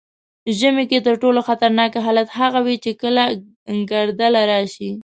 ژمي کې تر ټولو خطرناک حالت هغه وي چې کله ګردله شي.